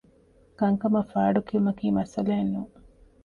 ކަންކަމަށް ފާޑު ކިއުމަކީ މައްސަލައެއް ނޫން